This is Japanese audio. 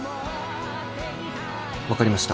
分かりました